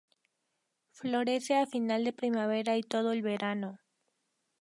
Florece a final de primavera y todo el verano.